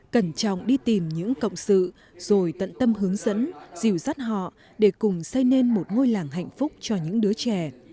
cẩn trọng đi tìm những cộng sự rồi tận tâm hướng dẫn dìu dắt họ để cùng xây nên một ngôi làng hạnh phúc cho những đứa trẻ